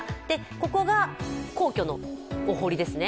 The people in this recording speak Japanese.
ここが皇居のお堀ですね。